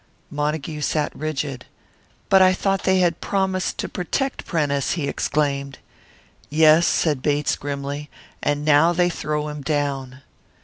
Montague sat rigid. "But I thought they had promised to protect Prentice!" he exclaimed. "Yes," said Bates, grimly; "and now they throw him down."